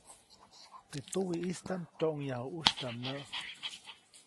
Teʼ tuwiʼistaʼm tyoʼŋyaju ʼusytyaʼm näʼ.